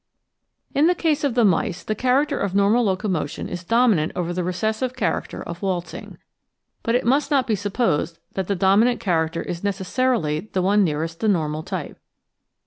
In the case of the mice the character of normal locomotion How Darwinism Stands To*Day 88S is dominant over the recessive character of waltzing, but it must not be supposd that the dominant character is necessarily the one nearest the normal type.